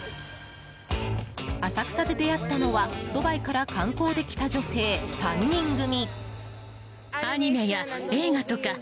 浅草で出会ったのはドバイから観光で来た女性３人組。